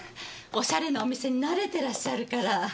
おシャレなお店に慣れてらっしゃるから。